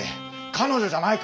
彼女じゃないから。